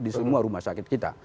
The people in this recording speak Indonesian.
di semua rumah sakit kita